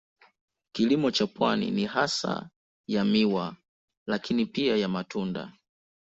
Kilimo cha pwani ni hasa ya miwa lakini pia ya matunda.